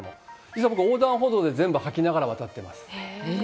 実は僕、横断歩道で全部吐きながら渡ってます。